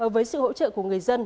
với sự hỗ trợ của người dân